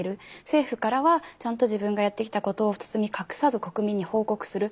政府からはちゃんと自分がやってきたことを包み隠さず国民に報告する。